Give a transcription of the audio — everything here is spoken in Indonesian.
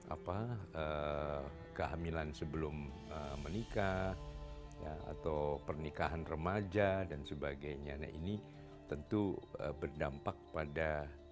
apa kehamilan sebelum menikah atau pernikahan remaja dan sebagainya nah ini tentu berdampak pada